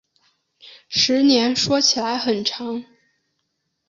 十年说起来很长